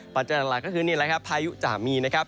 ปัจจัยหลักก็คือนี่แหละครับพายุจะมีนะครับ